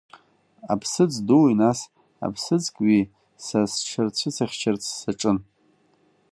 Аԥсыӡ дуи, нас аԥсыӡкҩи са сҽырцәысыхьчарц саҿын.